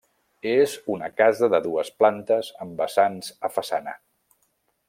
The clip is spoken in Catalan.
És una casa de dues plantes amb vessants a façana.